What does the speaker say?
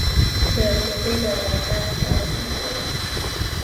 د کوټې دروازه چا وټکوله.